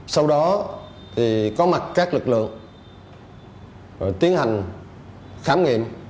sau đó thì có mặt các lực lượng tiến hành khám nghiệm